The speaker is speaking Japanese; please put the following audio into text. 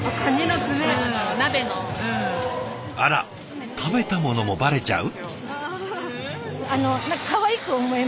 あら食べたものもバレちゃう？